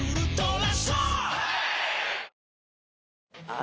あ